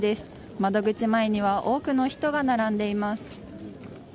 窓口前には多くの人が並んでいます。